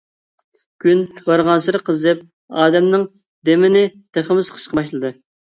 كۈن بارغانسېرى قىزىپ، ئادەمنىڭ دېمىنى تېخىمۇ سىقىشقا باشلىدى.